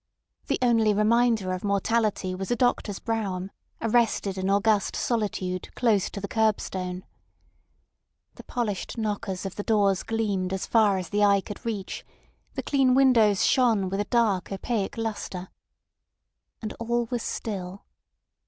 The only reminder of mortality was a doctor's brougham arrested in august solitude close to the curbstone. The polished knockers of the doors gleamed as far as the eye could reach, the clean windows shone with a dark opaque lustre. And all was still.